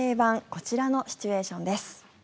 こちらのシチュエーションです。